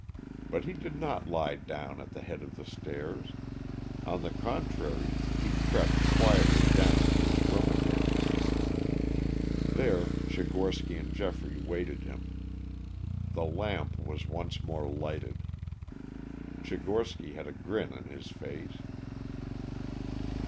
But he did not lie down at the head of the stairs. On the contrary, he crept quietly down to his room again. There Tchigorsky and Geoffrey waited him. The lamp was once more lighted. Tchigorsky had a grin on his face.